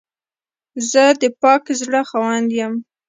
زه د پاک زړه خاوند یم.